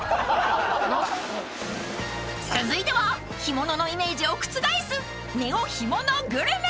［続いては干物のイメージを覆すネオ干物グルメ］